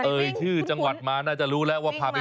เอ่อที่จังหวัดมาน่าจะรู้ว่าพาไปวิ่งอะไร